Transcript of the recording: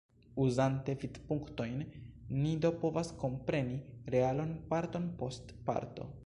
Uzante vidpunktojn, ni do povas kompreni realon parton post parto.